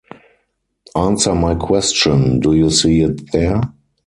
Answer my question. Do you see it there?